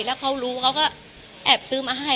แล้วเขารู้เขาก็แอบซื้อมาให้